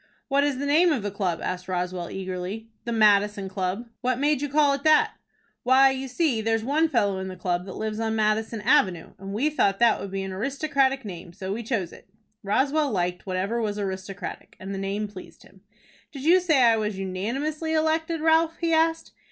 "What is the name of the club?" asked Roswell, eagerly. "The Madison Club." "What made you call it that?" "Why, you see, there's one fellow in the club that lives on Madison Avenue, and we thought that would be an aristocratic name, so we chose it." Roswell liked whatever was aristocratic, and the name pleased him. "Did you say I was unanimously elected, Ralph?" he asked.